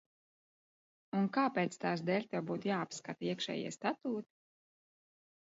Un kāpēc tās dēļ tev būtu jāapskata iekšējie statūti?